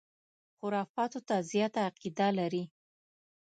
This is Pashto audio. خُرافاتو ته زیاته عقیده لري.